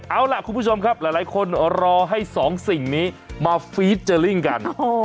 เอาล่ะคุณผู้ชมครับหลายคนรอให้สองสิ่งนี้มาฟีดเจอร์ลิ่งกัน